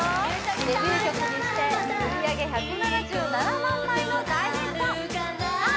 デビュー曲にして売り上げ１７７万枚の大ヒットさあ